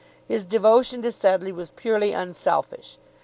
His devotion to Sedleigh was purely unselfish.